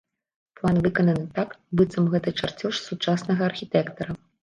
План выкананы так, быццам гэта чарцёж сучаснага архітэктара.